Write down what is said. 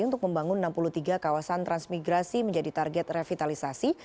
untuk membangun enam puluh tiga kawasan transmigrasi menjadi target revitalisasi